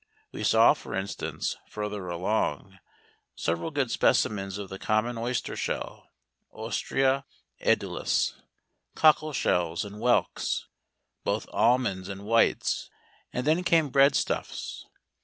We saw, for instance, further along, several good specimens of the common oyster shell (Ostrea edulis), cockle shells, and whelks, both "almonds" and "whites," and then came breadstuffs.